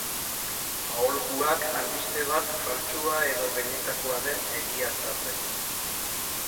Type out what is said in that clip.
Aholkuak albiste bat faltsua edo benetakoa den egiaztatzeko.